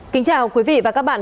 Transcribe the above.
kính chào quý vị và các bạn